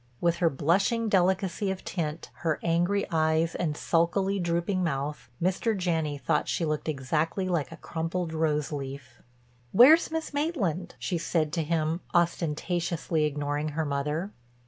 With her blushing delicacy of tint, her angry eyes and sulkily drooping mouth, Mr. Janney thought she looked exactly like a crumpled rose leaf. "Where's Miss Maitland?" she said to him, ostentatiously ignoring her mother.